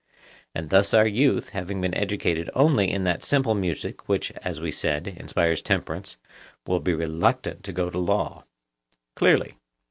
And thus our youth, having been educated only in that simple music which, as we said, inspires temperance, will be reluctant to go to law. Clearly.